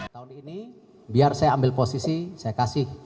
tahun ini biar saya ambil posisi saya kasih